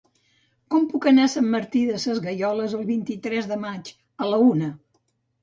Com puc anar a Sant Martí Sesgueioles el vint-i-tres de maig a la una?